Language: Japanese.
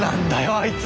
あいつ！